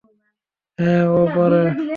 হ্যাঁ, ও পারে।